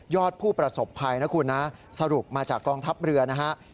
ผู้ประสบภัยนะคุณนะสรุปมาจากกองทัพเรือนะฮะ